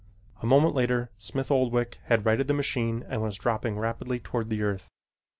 A moment later Smith Oldwick had righted the machine and was dropping rapidly toward the earth.